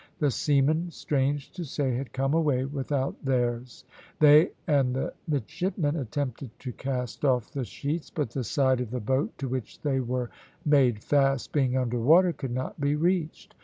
The seamen, strange to say, had come away without theirs; they and the midshipmen attempted to cast off the sheets, but the side of the boat to which they were made fast being under water could not be reached.